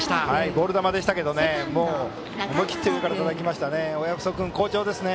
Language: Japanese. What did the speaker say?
ボール球でしたけど思い切って上からたたきましたね。